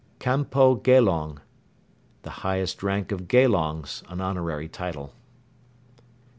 Kanpo Gelong. The highest rank of Gelongs (q.v.); an honorary title.